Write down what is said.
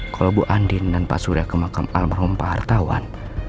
kalau bu andin dan pak surya ke makam almarhum pak hartawan